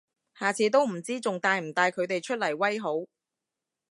下次都唔知仲帶唔帶佢哋出嚟威好